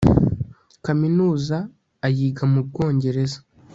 Kaminuza ayiga mu Bwongereza